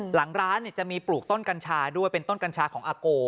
หลังร้านจะมีปลูกต้นกัญชาด้วยเป็นต้นกัญชาของอาโก